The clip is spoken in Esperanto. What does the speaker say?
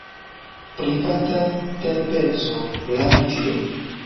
Privata terpeco, laŭ tio.